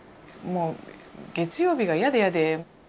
もう月曜日が嫌で嫌で。